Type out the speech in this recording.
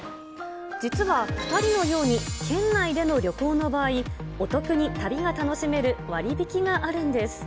実は、２人のように県内での旅行の場合、お得に旅が楽しめる割引があるんです。